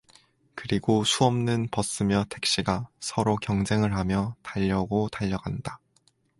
그리고 수없는 버스며 택시가 서로 경쟁을 하며 달려오고 달려간다.